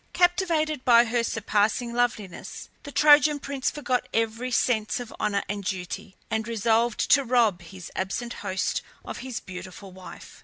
Captivated by her surpassing loveliness, the Trojan prince forgot every sense of honour and duty, and resolved to rob his absent host of his beautiful wife.